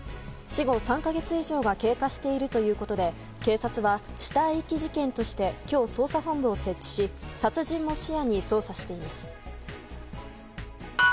死後３か月以上が経過しているということで警察は死体遺棄事件として今日、捜査本部を設置し殺人も視野に捜査しています。